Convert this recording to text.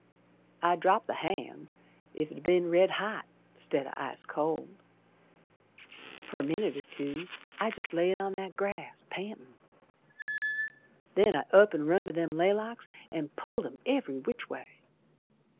I dropped the hand's ef it'd be'n red hot 'Stead o' ice cold. Fer a minit or two I jest laid on that grass Pantin'. Then I up and run to them laylocks An' pulled 'em every which way.